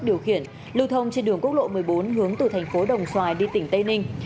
lưu thông trên đường quốc lộ một mươi bốn hướng từ thành phố đồng xoài đi tỉnh tây ninh